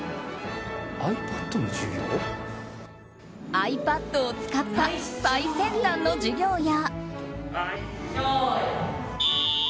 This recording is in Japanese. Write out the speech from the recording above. ｉＰａｄを使った最先端の授業や。